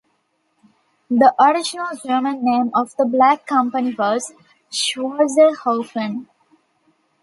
The original German name of the Black Company was "Schwarzer Haufen".